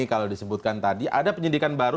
kalau disebutkan tadi ada penyidikan baru